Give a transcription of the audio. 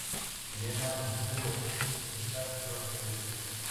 Elena mantuvo estas amistades toda su vida.